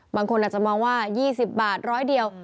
บางคนอาจจะมองว่า๒๐บาท๑๐๐เดียว